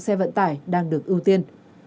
xe vận tải đang được ưu tiên